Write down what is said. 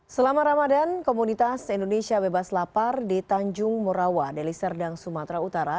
selama ramadan komunitas indonesia bebas lapar di tanjung morawa deli serdang sumatera utara